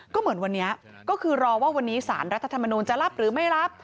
ก็เหมือนวันนี้ก็คือรอว่าวันนี้สารรัฐธรรมนูลจะรับหรือไม่รับ